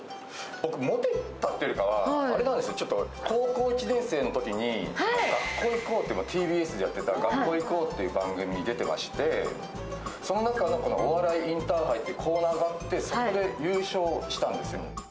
僕モテたというよりかは高校１年生のときに学ＴＢＳでやっていた「学校へ行こう！」という番組に出てまして、その中の「お笑いインターハイ」というコーナーがあってそこで優勝したんですよ。